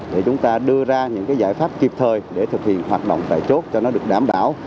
để chúng ta đưa ra những cái giải pháp kịp thời để thực hiện hoạt động tại chốt cho nó được đảm bảo